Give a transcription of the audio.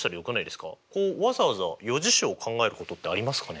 こうわざわざ余事象を考えることってありますかね？